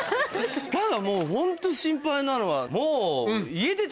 ただもうホント心配なのはもう。